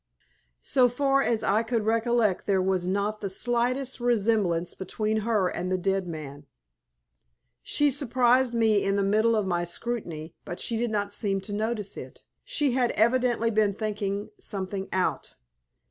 So far as I could recollect there was not the slightest resemblance between her and the dead man. She surprised me in the middle of my scrutiny, but she did not seem to notice it. She had evidently been thinking something out.